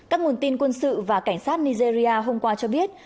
các nguồn tin quân sự và cảnh sát nigeria hôm qua cho biết